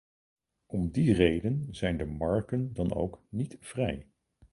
Om die reden zijn de marken dan ook niet vrij.